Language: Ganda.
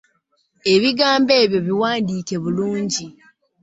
Ebigambo ebyo biwandiike bulungi.